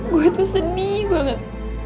gue tuh sedih banget